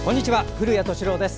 古谷敏郎です。